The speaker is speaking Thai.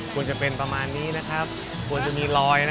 ควรจะเป็นประมาณนี้นะครับควรจะมีรอย